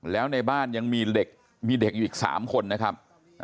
แล้วในบ้านยังมีเด็กมีเด็กอยู่อีก๓คนนะครับ